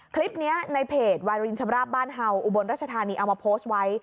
คลิปนี้ในเพจวารินชำราบบ้านเห่าอุบลรัชธานีเอามาโพสต์ไว้